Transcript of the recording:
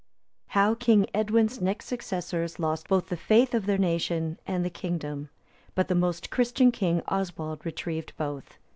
How King Edwin's next successors lost both the faith of their nation and the kingdom; but the most Christian King Oswald retrieved both.